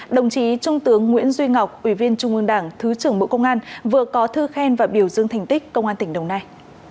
đồng chí trung tướng nguyễn duy ngọc ủy viên trung ương đảng thứ trưởng bộ công an vừa có thư khen và biểu dương thành tích công an tỉnh đồng nai